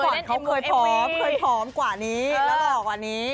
มันเคยปลอมกว่านี้และหลอกกว่านี้